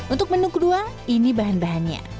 untuk menu kedua ini bahan bahannya